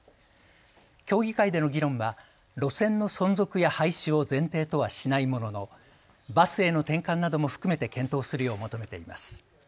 協議会での議論は路線の存続や廃止を前提とはしないもののバスへの転換なども含めて検討するよう求めています。